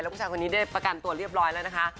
ผู้ชายคนนี้ได้ประกันตัวเรียบร้อยแล้วนะคะ